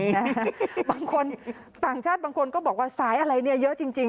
บางคนต่างชาติบางคนก็บอกว่าสายอะไรเนี่ยเยอะจริง